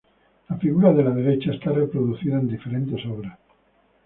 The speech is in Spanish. La figura de la derecha está reproducida en diferentes obras.